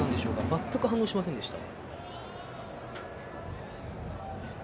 まったく反応しませんでした。